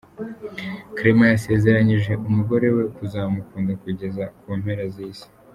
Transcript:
Clement yasezeranyije umugore we kuzamukunda kugeza ku mpera z’isi.